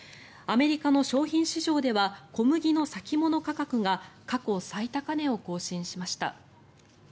アメリカの商品市場では小麦の先物価格が過去最高値を更新しました。